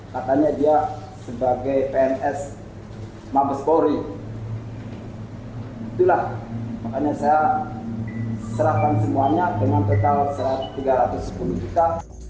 katanya dia sebagai pns mabes polri itulah makanya saya serahkan semuanya dengan pkl tiga ratus sepuluh juta